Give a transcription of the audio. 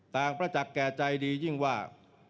ต่างพระจักรแก่ใจดียิ่งว่า